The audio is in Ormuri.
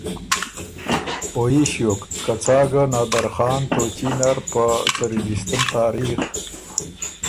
او يي ݭیوک که څا ګۀ نادرخان تُوچي نر په څری جیستُم تاریخ